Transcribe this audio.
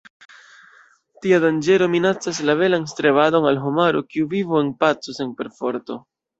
Tia danĝero minacas la belan strebadon al homaro, kiu vivu en paco sen perforto.